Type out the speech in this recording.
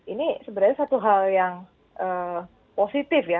ini sebenarnya satu hal yang positif ya